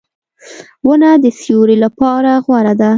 • ونه د سیوری لپاره غوره ده.